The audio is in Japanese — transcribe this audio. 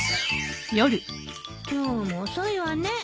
今日も遅いわね。